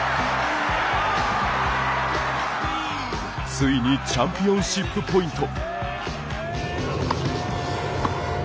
ついにチャンピオンシップポイント。